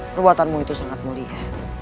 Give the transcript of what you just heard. perbuatanmu itu sangat mulia